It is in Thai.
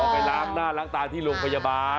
ไปล้างหน้าล้างตาที่โรงพยาบาล